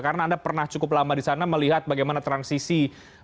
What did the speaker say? karena anda pernah cukup lama di sana melihat bagaimana transisi